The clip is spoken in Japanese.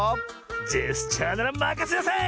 ジェスチャーならまかせなさい！